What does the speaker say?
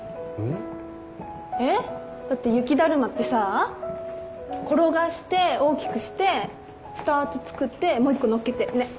えっだって雪だるまってさ転がして大きくして２つ作ってもう一個載っけてねっ。